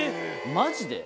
マジで？